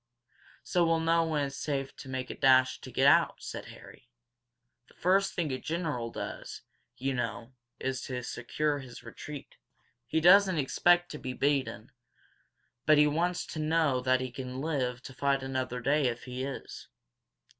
"So we'll know when it's safe to make a dash to get out," said Harry. "The first thing a general does, you know, is to secure his retreat. He doesn't expect to be beaten, but he wants to know what he can live to fight another day if he is."